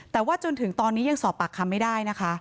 แต่ว่าจนถึงตอนนี้ยังสอบปากคำไม่ได้นะคะ